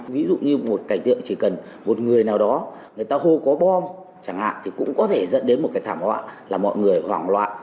ví dụ như một cảnh tượng chỉ cần một người nào đó người ta hô có bom chẳng hạn thì cũng có thể dẫn đến một cái thảm họa là mọi người hoảng loạn